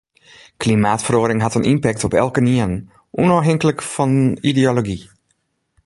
Klimaatferoaring hat in ympekt op elkenien, ûnôfhinklik fan ideology.